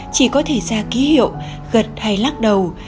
chỉ có thể ra ký hiệu gật hay lác đầu